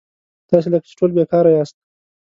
تاسي لکه چې ټول بېکاره یاست.